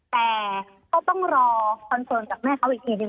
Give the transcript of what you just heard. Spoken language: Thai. แต่ก็ต้องรอคอนเฟิร์มจากแม่เขาอีกทีหนึ่ง